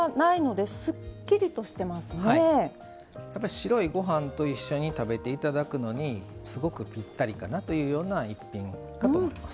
白いごはんと一緒に食べていただくのにすごくぴったりかなというような一品かと思います。